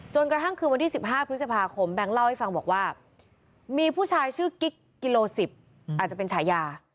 กระทั่งคือวันที่๑๕พฤษภาคมแบงค์เล่าให้ฟังบอกว่ามีผู้ชายชื่อกิ๊กกิโล๑๐อาจจะเป็นฉายา